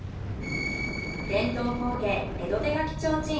伝統工芸江戸手描提灯。